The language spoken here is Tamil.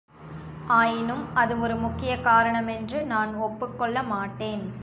ஆயினும் அது ஒரு முக்கியக் காரணமென்று நான் ஒப்புக்கொள்ள மாட்டேன்.